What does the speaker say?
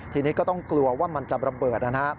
ทีนี้ก็ต้องกลัวว่ามันจะระเบิดนะครับ